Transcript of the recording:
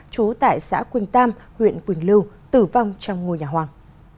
trú tại xã quỳnh tam huyện quỳnh lưu tử vong trong ngôi nhà hoàng